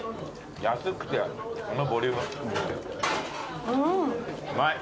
安くてこのボリューム。